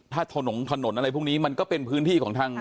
ถ้าถนนถนนอะไรพวกนี้มันก็เป็นพื้นที่ของทาง